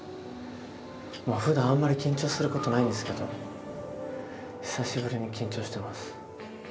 ふだんあんまり緊張することないんですけど久しぶりに緊張してます。